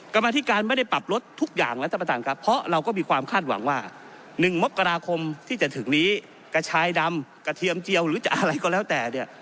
กรรมธิการไม่ได้ปรับลดทุกอย่างแล้วท่านประธานครับเพราะเราก็มีความคาดหวังว่า๑มกราคมที่จะถึงนี้กระชายดำกระเทียมเจียวหรือจะอะไรก็แล้วแต่เนี่ย